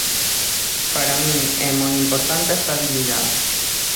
Para min é moi importante a estabilidade.